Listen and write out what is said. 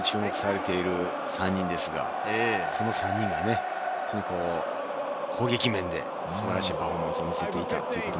特にディフェンスで注目されている３人ですが、その３人がね、攻撃面で素晴らしいパフォーマンスを見せました。